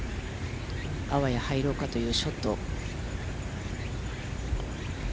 あわや入ろうかというショット。